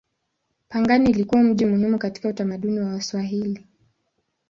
Pangani ilikuwa mji muhimu katika utamaduni wa Waswahili.